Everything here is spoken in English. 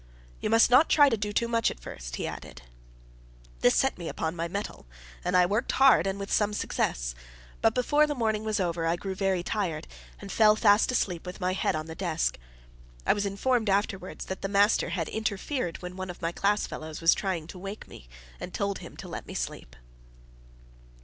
"You must not try to do too much at first," he added. This set me on my mettle, and I worked hard and with some success. But before the morning was over I grew very tired, and fell fast asleep with my head on the desk. I was informed afterwards that the master had interfered when one of my class fellows was trying to wake me, and told him to let me sleep.